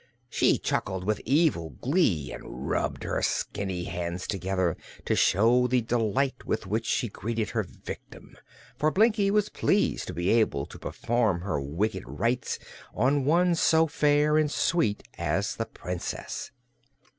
She chuckled with evil glee and rubbed her skinny hands together to show the delight with which she greeted her victim, for Blinkie was pleased to be able to perform her wicked rites on one so fair and sweet as the Princess.